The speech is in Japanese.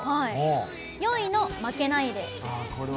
４位「負けないで」。